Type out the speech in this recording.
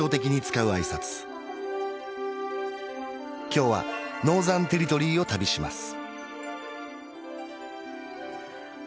今日はノーザンテリトリーを旅します